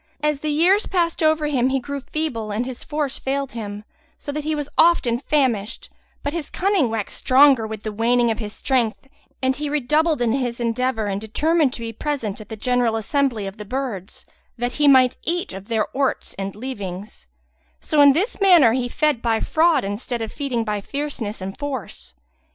As the years passed over him, he grew feeble and his force failed him, so that he was often famished; but his cunning waxed stronger with the waning of his strength and redoubled in his endeavour and determined to be present at the general assembly of the birds, that he might eat of their orts and leavings; so in this manner he fed by fraud instead of feeding by fierceness and force.